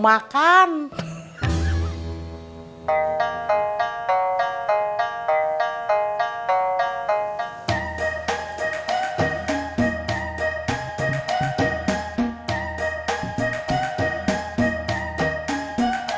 mungkin dia mau